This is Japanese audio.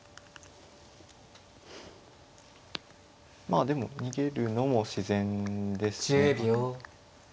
まあでも逃げるのも自然ですね。